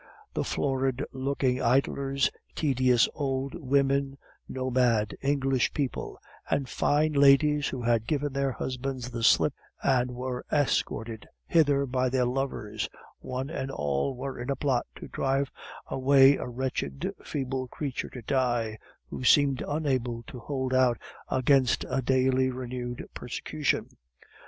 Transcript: The florid looking idlers, tedious old women, nomad English people, and fine ladies who had given their husbands the slip, and were escorted hither by their lovers one and all were in a plot to drive away a wretched, feeble creature to die, who seemed unable to hold out against a daily renewed persecution!